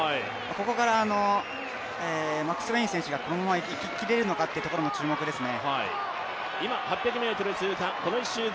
ここからマクスウェイン選手がこのままいききれるのかというところが注目ですね。